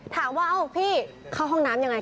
ถามว่าเอ้าพี่เข้าห้องน้ำยังไง